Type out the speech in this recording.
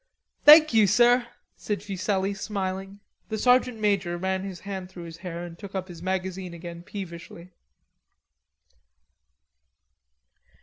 "Thank you, sir," said Fuselli, smiling. The sergeant major ran his hand through his hair and took up his magazine again peevishly.